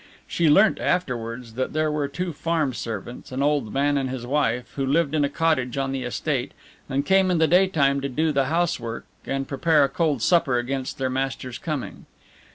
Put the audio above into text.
She learnt afterwards that there were two farm servants, an old man and his wife, who lived in a cottage on the estate and came in the daytime to do the housework and prepare a cold supper against their master's coming.